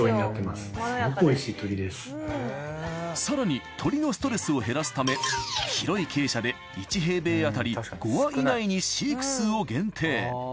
更に鶏のストレスを減らすため広い鶏舎で１平米あたり５羽以内に飼育数を限定。